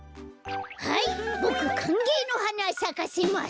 はいボクかんげいのはなさかせます。